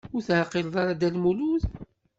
Ur teɛqileḍ ara Dda Lmulud?